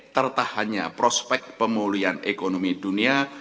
tertahannya prospek pemulihan ekonomi dunia